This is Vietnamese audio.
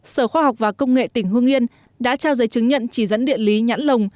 sở khoa học và công nghệ tỉnh hương yên đã trao giấy chứng nhận chỉ dẫn địa lý nhãn lồng